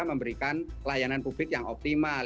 memberikan layanan publik yang optimal